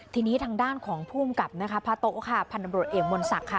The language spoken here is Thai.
ทีนี้ทางด้านของภูมิกับนะคะพระโต๊ะค่ะพันธบรวจเอกมนศักดิ์ค่ะ